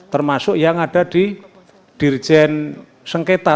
termasuk yang ada di dirjen sengketa